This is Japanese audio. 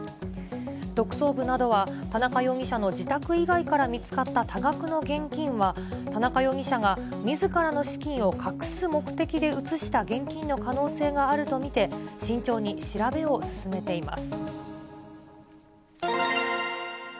特捜部などは、田中容疑者の自宅以外から見つかった多額の現金は、田中容疑者がみずからの資金を隠す目的で移した現金の可能性があると見て、慎重に調べを進めています。